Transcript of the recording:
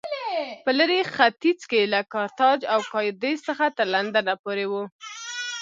په لېرې ختیځ کې له کارتاج او کادېس څخه تر لندنه پورې و